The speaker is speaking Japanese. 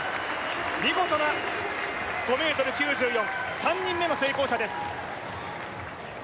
見事な５ｍ９４３人目の成功者です